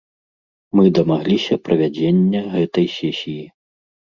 Мы дамагліся правядзення гэтай сесіі.